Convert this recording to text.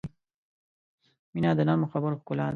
• مینه د نرمو خبرو ښکلا ده.